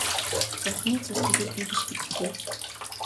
Бурхны цус тэгээд би биш биз дээ.